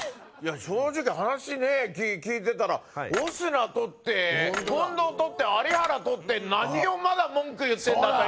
正直話ね聞いてたらオスナとって近藤とって有原とって何をまだ文句言ってんだという。